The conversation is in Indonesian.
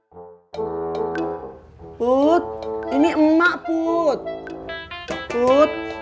puput ini emak puput